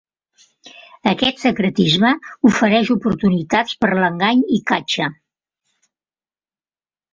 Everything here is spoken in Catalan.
Aquest secretisme ofereix oportunitats per l'engany i catxa.